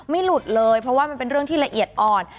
หลุดเลยเพราะว่ามันเป็นเรื่องที่ละเอียดอ่อน